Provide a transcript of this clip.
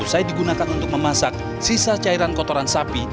usai digunakan untuk memasak sisa cairan kotoran sapi